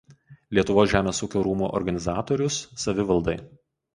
Lietuvos Žemės ūkio rūmų organizatorius savivaldai.